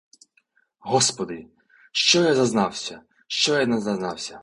Господи, що я назнався, що я назнався!